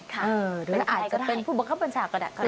อือหรืออาจจะเป็นผู้บอกข้างบนฉากก็ได้